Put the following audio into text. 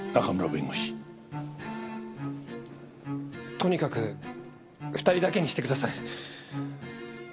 とにかく２人だけにしてください。